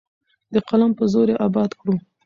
د قلم په زور یې اباده کړو.